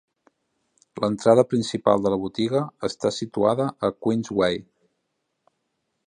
L'entrada principal de la botiga està situada a Queensway.